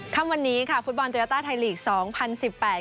คำวันนี้ค่ะฟุตบอลโยต้าไทยลีกสองพันสิบแปด